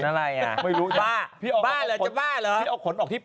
ขนอะไรอ่ะบ้าหรือจะบ้าเหรอพี่เอาขนออกที่